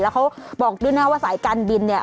แล้วเขาบอกด้วยนะว่าสายการบินเนี่ย